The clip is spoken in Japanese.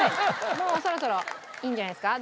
もうそろそろいいんじゃないですか？